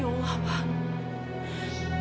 ya allah pak